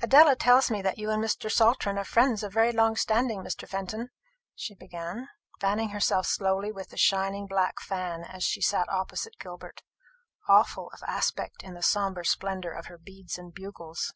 "Adela tells me that you and Mr. Saltram are friends of very long standing, Mr. Fenton," she began, fanning herself slowly with a shining black fan as she sat opposite Gilbert, awful of aspect in the sombre splendour of her beads and bugles.